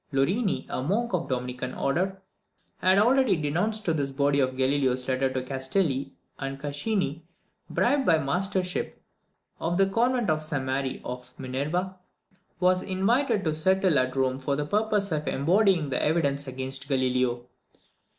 Lorini, a monk of the Dominican order, had already denounced to this body Galileo's letter to Castelli; and Caccini, bribed by the mastership of the convent of St Mary of Minerva, was invited to settle at Rome for the purpose of embodying the evidence against Galileo.